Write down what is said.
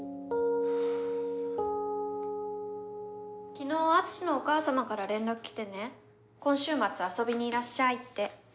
昨日敦のお母様から連絡来てね今週末遊びにいらっしゃいって。